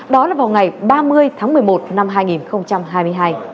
đó là vào ngày ba mươi tháng một mươi một năm hai nghìn hai mươi hai